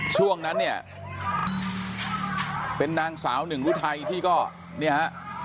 ช่วงนั้นเนี่ยเป็นนางสาวหนึ่งรุทัยที่ก็เนี่ยฮะ